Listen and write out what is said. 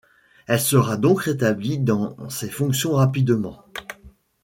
Elle sera donc rétablie dans ses fonctions rapidement.